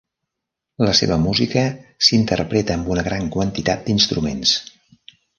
La seva música s'interpreta amb una gran quantitat d'instruments.